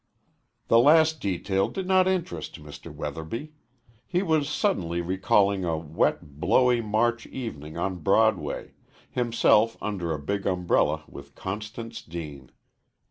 The last detail did not interest Mr. Weatherby. He was suddenly recalling a wet, blowy March evening on Broadway himself under a big umbrella with Constance Deane.